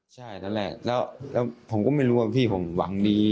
ใช่นั่นแหละแล้วผมก็ไม่รู้ว่าพี่ผมหวังดี